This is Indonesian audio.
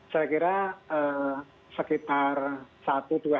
saya kira sekitar satu dua